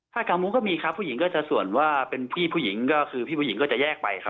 ถ้ากางมุ้งก็มีครับผู้หญิงก็จะส่วนว่าเป็นพี่ผู้หญิงก็คือพี่ผู้หญิงก็จะแยกไปครับ